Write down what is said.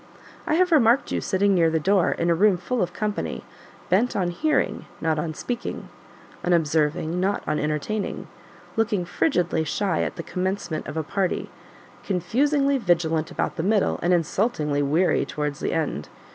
I have remarked you sitting near the door in a room full of company, bent on hearing, not on speaking; on observing, not on entertaining; looking frigidly shy at the commencement of a party, confusingly vigilant about the middle, and insultingly weary towards the end.